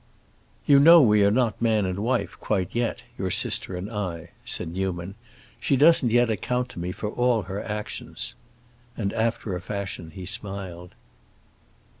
"You know we are not man and wife quite yet,—your sister and I," said Newman. "She doesn't yet account to me for all her actions." And, after a fashion, he smiled.